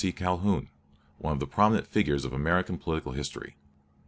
Calhoun, one of the prominent figures of American political history.